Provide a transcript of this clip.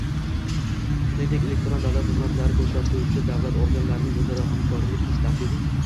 shuningdek elektron davlat xizmatlari ko‘rsatuvchi davlat organlarining o‘zaro hamkorlik qilish tartibi